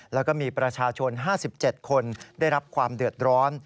แล้วก็มีประชาชน๕๗คนได้รับความเดือดร้อน